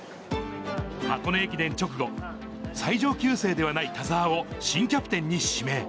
箱根駅伝直後、最上級生ではない田澤を新キャプテンに指名。